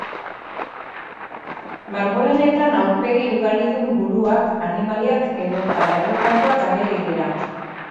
Margolanetan aurpegi ugaridun buruak, animaliak edo ta erretratuak ageri dira.